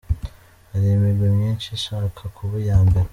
Hari imigwi myinshi ishaka kuba iya mbere.